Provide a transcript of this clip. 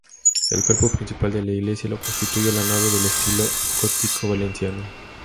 El cuerpo principal de la iglesia lo constituye la nave de estilo gótico valenciano.